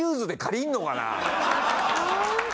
ホント！